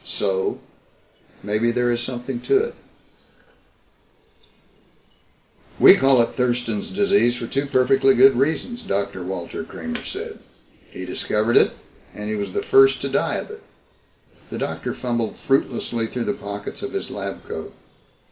So maybe there is something to it _ "We call it Thurston's Disease for two perfectly good reasons," Dr. Walter Kramer said. "He discovered it and he was the first to die of it." The doctor fumbled fruitlessly through the pockets of his lab coat.